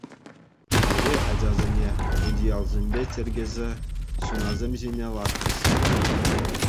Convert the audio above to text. Пире, ачасене, утиялсемпе чӗркесе ҫунасем ҫине лартрӗҫ.